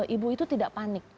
ibu itu tidak panik